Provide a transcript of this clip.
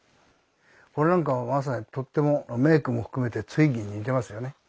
これなんかはまさにとってもメークも含めてツイッギーに似てますよね。